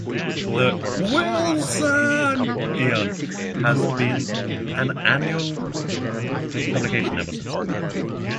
"The Wilsonian" has been an annual publication ever since.